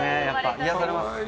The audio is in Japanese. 癒やされます。